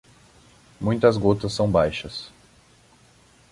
Muitas gotas são baixas.